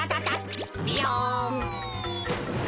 ビヨン。